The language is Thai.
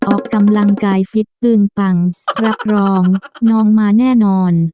ออกกำลังกายฟิตปืนปังรับรองน้องมาแน่นอน